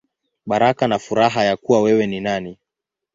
Baraka na Furaha Ya Kuwa Wewe Ni Nani.